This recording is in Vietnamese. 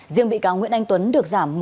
riêng bị cáo nguyễn anh tuấn được giảm